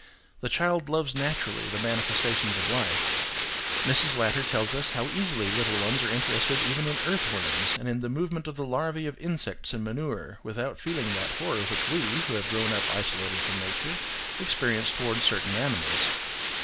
The child loves naturally the manifestations of life: Mrs. Latter tells us how easily little ones are interested even in earthworms and in the movement of the larvae of insects in manure, without feeling that horror which we, who have grown up isolated from nature, experience towards certain animals.